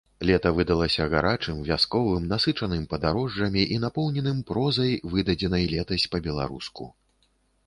Лета выдалася гарачым, вясковым, насычаным падарожжамі і напоўненым прозай, выдадзенай летась па-беларуску.